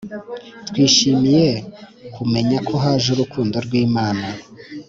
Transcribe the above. Twishimiye kumenya ko haj' urukundo rw'Imana.